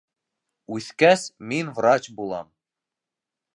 - Үҫкәс, мин врач булам.